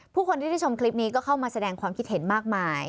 ผู้คนที่ได้ชมคลิปนี้ก็เข้ามาแสดงความคิดเห็นมากมาย